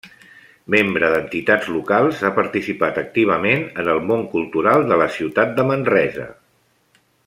Membre d'entitats locals ha participat activament en el món cultural de la ciutat de Manresa.